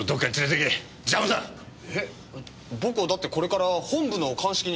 僕はだってこれから本部の鑑識に。